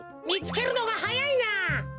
みつけるのがはやいな。